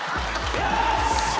よし！